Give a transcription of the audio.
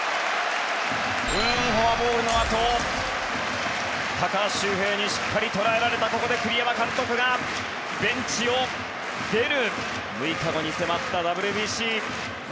フォアボールのあと高橋周平にしっかり捉えられてここで栗山監督がベンチを出る。